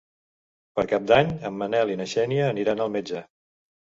Per Cap d'Any en Manel i na Xènia aniran al metge.